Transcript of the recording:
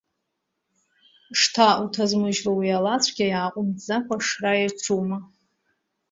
Шҭа уҭазмыжьло уи алацәгьа иааҟәымҵӡакәа ашра иаҿума?